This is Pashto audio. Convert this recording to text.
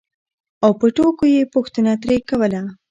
او په ټوکو یې پوښتنه ترې کوله